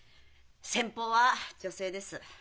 先方は女性です。